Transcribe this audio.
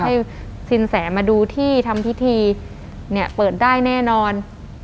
ให้สินแสมาดูที่ทำพิธีเนี่ยเปิดได้แน่นอน